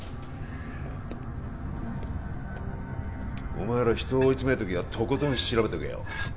お前ら人を追い詰める時はとことん調べとけよ